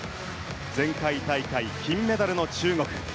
前回大会、金メダルの中国。